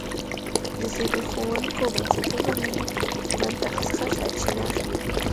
د زبېښونکو بنسټونو له منطق څخه سرچینه اخلي.